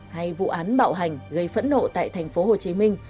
hay vụ án bạo hành gây phẫn nộ tại tp hcm